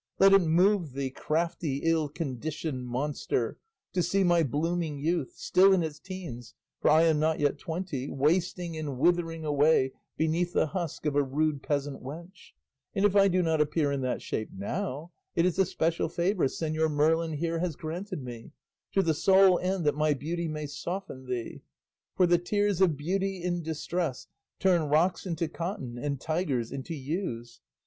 Let it move thee, crafty, ill conditioned monster, to see my blooming youth still in its teens, for I am not yet twenty wasting and withering away beneath the husk of a rude peasant wench; and if I do not appear in that shape now, it is a special favour Señor Merlin here has granted me, to the sole end that my beauty may soften thee; for the tears of beauty in distress turn rocks into cotton and tigers into ewes.